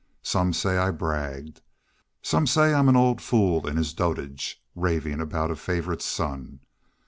Some say I bragged. Some say I'm an old fool in his dotage, ravin' aboot a favorite son.